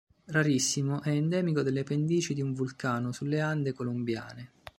Rarissimo, è endemico delle pendici di un vulcano sulle Ande colombiane.